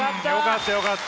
よかった！